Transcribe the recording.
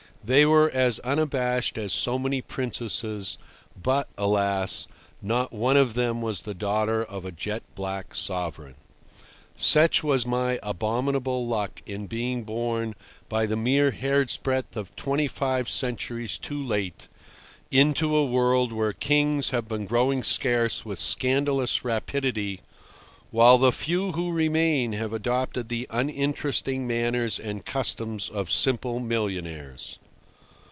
They were as unabashed as so many princesses, but, alas! not one of them was the daughter of a jet black sovereign. Such was my abominable luck in being born by the mere hair's breadth of twenty five centuries too late into a world where kings have been growing scarce with scandalous rapidity, while the few who remain have adopted the uninteresting manners and customs of simple millionaires.